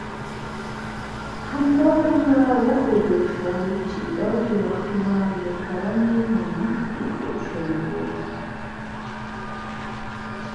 همدارنګه وښودل شول، چې دا جوړښتونه له کرنې نه مخکې جوړ شوي وو.